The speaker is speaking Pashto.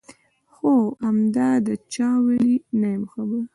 هو همدا، دا چا ویلي؟ نه یم خبر.